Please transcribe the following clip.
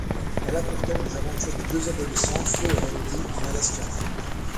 Elle a pour thème les aventures de deux adolescents, Flo et Andy, en Alaska.